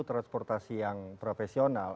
transportasi yang profesional